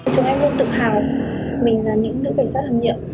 chúng em luôn tự hào mình là những nữ cảnh sát làm nhiệm